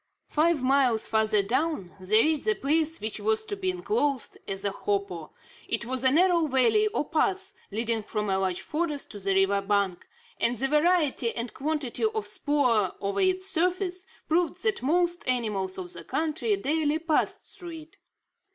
Five miles farther down, they reached the place which was to be enclosed as a hopo. It was a narrow valley or pass, leading from a large forest to the river bank, and the variety and quantity of spoor over its surface, proved that most animals of the country daily passed through it.